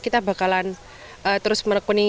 kita bakalan terus merekuni